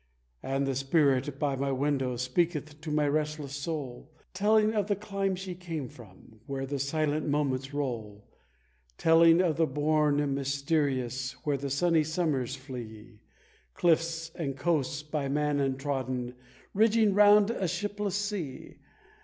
And the Spirit, by my window, speaketh to my restless soul, Telling of the clime she came from, where the silent moments roll; Telling of the bourne mysterious, where the sunny summers flee Cliffs and coasts, by man untrodden, ridging round a shipless sea.